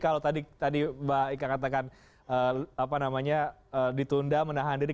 kalau tadi mbak ika katakan apa namanya ditunda menahan diri